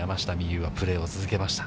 有はプレーを続けました。